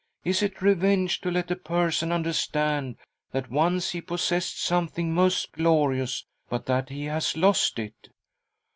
"Is it revenge to let • a person understand that once he possessed some thing most glorious, but that he has lost it